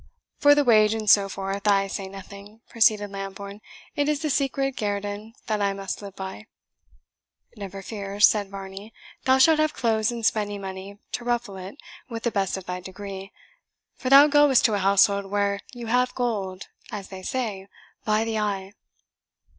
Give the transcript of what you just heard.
"For the wage and so forth, I say nothing," proceeded Lambourne; "it is the secret guerdon that I must live by." "Never fear," said Varney; "thou shalt have clothes and spending money to ruffle it with the best of thy degree, for thou goest to a household where you have gold, as they say, by the eye."